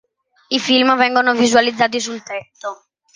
I film vengono visualizzati sul tetto.